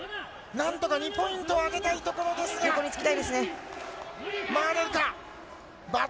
なんとか２ポイント上げたいところですが回れるか。